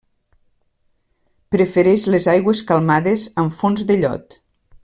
Prefereix les aigües calmades amb fons de llot.